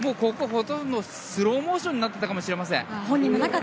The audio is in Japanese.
ほとんどスローモーションになっていたかもしれません。